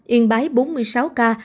yên bái bốn mươi sáu ca